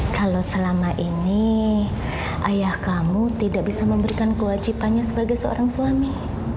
kalau selama ini ayah kamu tidak bisa memberikan kewajibannya sebagai seorang suami